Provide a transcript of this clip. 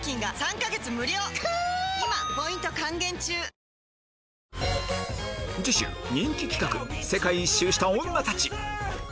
鬼瓦次週人気企画「世界一周した女たち」